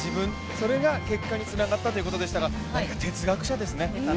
それが結果につながったということでしたが、何か哲学者ですね。